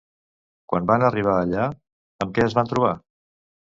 Quan van arribar allà, amb què es van trobar?